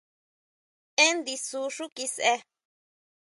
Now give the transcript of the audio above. Én ndisú xú kiseʼe!